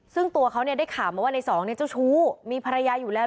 ซึ่งตัวเขาเนี่ยได้ข่าวมาว่าในสองเนี่ยเจ้าชู้มีภรรยาอยู่แล้ว